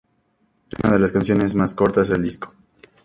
Es una de las canciones más cortas del disco.